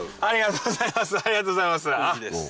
ありがとうございます。